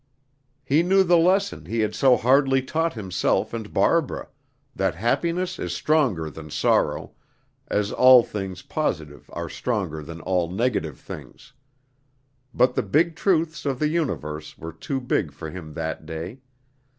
He knew the lesson he had so hardly taught himself and Barbara: that happiness is stronger than sorrow, as all things positive are stronger than all negative things. But the big truths of the universe were too big for him that day.